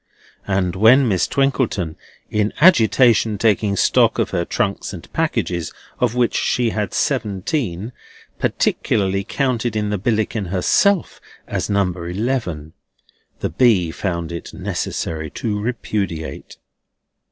And when Miss Twinkleton, in agitation taking stock of her trunks and packages, of which she had seventeen, particularly counted in the Billickin herself as number eleven, the B. found it necessary to repudiate.